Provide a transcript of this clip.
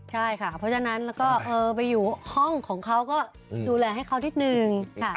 ใช่ค่ะเพราะฉะนั้นแล้วก็ไปอยู่ห้องของเขาก็ดูแลให้เขานิดนึง